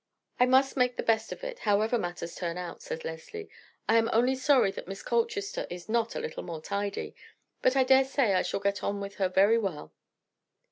"I must make the best of it, however matters turn out," said Leslie. "I am only sorry that Miss Colchester is not a little more tidy; but I dare say I shall get on with her very well."